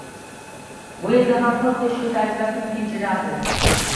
bu yerda ham xuddi shu tarzda kun kechiradi.